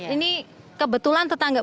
ini kebetulan tetangga